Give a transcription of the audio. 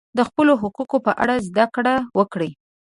د خپلو حقونو په اړه زده کړه وکړئ.